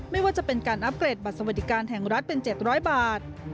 ไม่ว่าจะเป็นการอัปเกรดบัตรสวัสดิการแห่งรัฐเป็น๗๐๐บาท